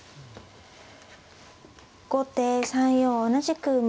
後手３四同じく馬。